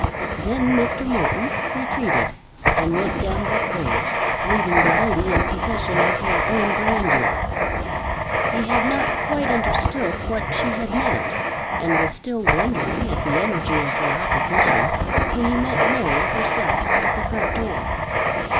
Then Morton retreated and went down the stairs, leaving the lady in possession of her own grandeur. He had not quite understood what she had meant, and was still wondering at the energy of her opposition when he met Mary herself at the front door.